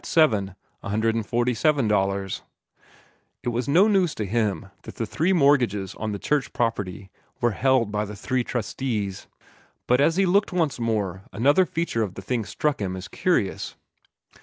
147 $4,800 $319 It was no news to him that the three mortgages on the church property were held by the three trustees. But as he looked once more, another feature of the thing struck him as curious.